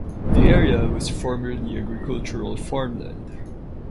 The area was formerly agricultural farmland.